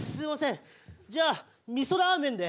じゃあみそラーメンで。